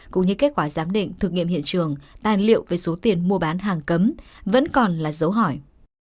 cũng như kết quả giám định thực nghiệm hiện trường tài liệu về số tiền mua bán hàng cấm vẫn còn là dấu hỏi